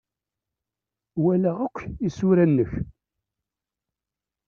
Walaɣ akk isura-nnek.